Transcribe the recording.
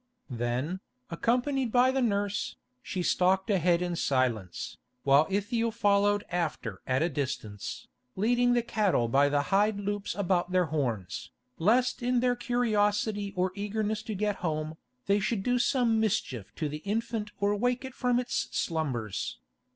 Then, accompanied by the nurse, she stalked ahead in silence, while Ithiel followed after at a distance, leading the cattle by the hide loops about their horns, lest in their curiosity or eagerness to get home, they should do some mischief to the infant or wake it from its slumbers.